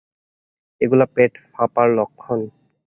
এগুলো পেট ফাঁপার লক্ষণ।